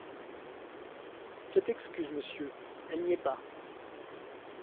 Faites excuse, monsieur… elle n’y est pas.